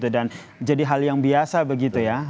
dan jadi hal yang biasa begitu ya